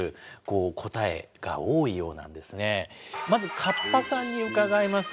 まずカッパさんに伺います。